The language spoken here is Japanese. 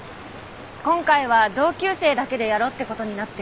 今回は同級生だけでやろうって事になって。